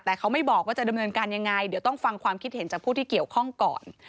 แต่เขาไม่บอกว่าจะดำเนินการยังไงเดี๋ยวต้องฟังความคิดเห็นจากผู้ที่เกี่ยวข้องก่อน